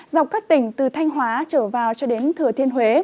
dọc các tỉnh từ thanh hóa trở vào cho đến thừa thiên huế